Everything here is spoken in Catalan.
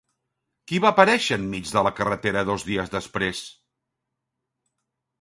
Qui va aparèixer en mig de la carretera dos dies després?